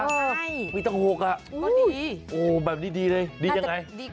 ไม่มีตั้ง๖อ่ะโอ้โฮแบบนี้ดีเลยดียังไง